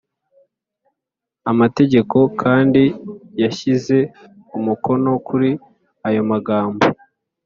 Amategeko kandi yashyize umukono kuri aya magambo